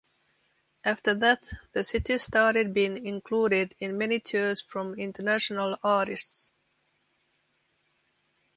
After that, the city started being included in many tours from international artists.